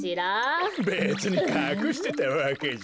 べつにかくしてたわけじゃ。